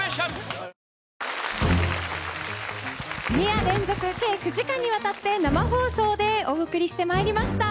２夜連続計９時間にわたって生放送でお送りしてまいりました。